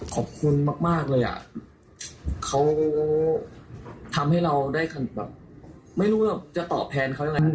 ขอบคุณมากเลยอ่ะเขาทำให้เราได้ไม่รู้จะต่อแพลนเขานี่